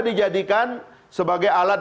dijadikan sebagai alat